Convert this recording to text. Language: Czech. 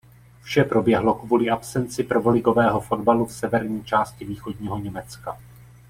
Vše proběhlo kvůli absenci prvoligového fotbalu v severní části Východního Německa.